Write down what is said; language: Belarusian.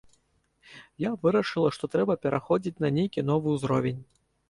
Я вырашыла, што трэба пераходзіць на нейкі новы ўзровень.